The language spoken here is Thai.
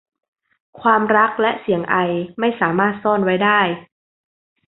ความรักและเสียงไอ ไม่สามารถซ่อนไว้ได้